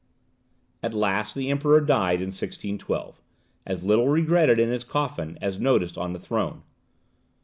At length the Emperor died in 1612, as little regretted in his coffin as noticed on the throne.